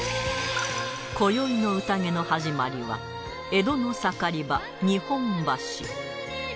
今宵の宴の始まりは江戸の盛り場日本橋